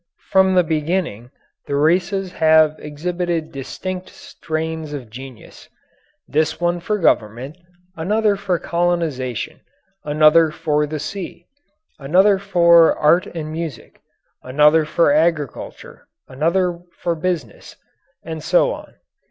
From the beginning, the races have exhibited distinct strains of genius: this one for government; another for colonization; another for the sea; another for art and music; another for agriculture; another for business, and so on.